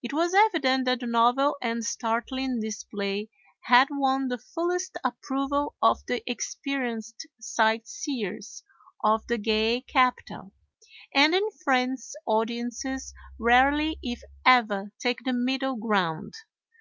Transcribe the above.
It was evident that the novel and startling display had won the fullest approval of the experienced sight seers of the gay capital; and in France audiences rarely if ever take the middle ground.